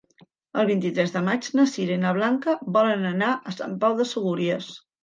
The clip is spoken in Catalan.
El vint-i-tres de maig na Sira i na Blanca volen anar a Sant Pau de Segúries.